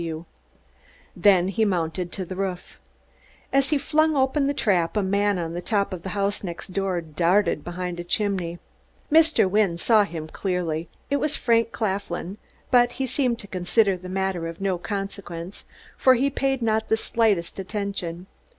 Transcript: W. Then he mounted to the roof. As he flung open the trap a man on the top of the house next door darted behind a chimney. Mr. Wynne saw him clearly it was Frank Claflin but he seemed to consider the matter of no consequence, for he paid not the slightest attention.